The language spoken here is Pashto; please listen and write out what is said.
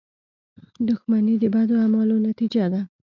• دښمني د بدو اعمالو نتیجه ده.